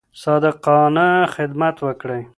صادقانه خدمت وکړئ.